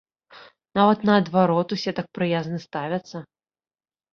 Нават наадварот усе так прыязна ставяцца.